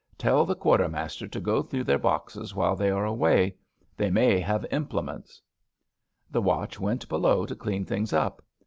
Tell the quartermas ter to go through their boxes while they are away. They may have implements.' The watch went below to clean things up.